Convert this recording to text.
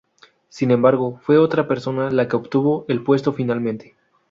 Sin embargo, fue otra persona la que obtuvo el puesto finalmente.